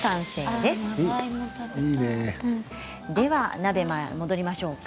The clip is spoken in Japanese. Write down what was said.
では鍋に戻りましょう。